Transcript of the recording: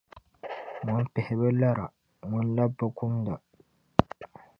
Ŋun pihi bi lara, ŋun labi bi kumda.